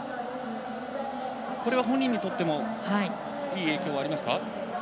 これは本人にとってもいい影響はありますか？